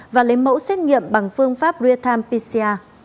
và lấy mẫu xét nghiệm bằng phương pháp real time pcr